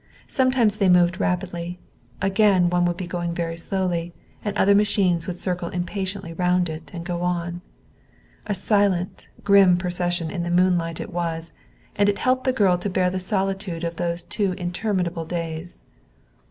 Sometimes they moved rapidly. Again, one would be going very slowly, and other machines would circle impatiently round it and go on. A silent, grim procession in the moonlight it was, and it helped the girl to bear the solitude of those two interminable days.